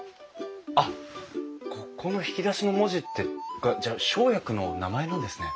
あっここの引き出しの文字ってじゃあ生薬の名前なんですね。